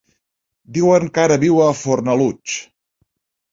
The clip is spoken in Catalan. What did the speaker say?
Diuen que ara viu a Fornalutx.